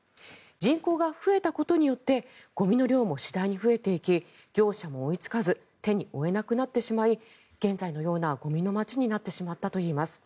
人口が増えたことによってゴミの量も次第に増えていき業者も追いつかず手に負えなくなってしまい現在のようなゴミの街になってしまったといいます。